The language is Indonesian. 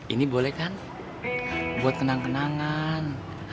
ini boleh kan buat kenang kenangan